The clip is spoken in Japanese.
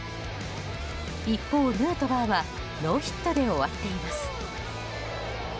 一方、ヌートバーはノーヒットで終わっています。